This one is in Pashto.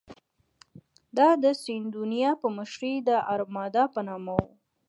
دا د سیدونیا په مشرۍ د ارمادا په نامه وه.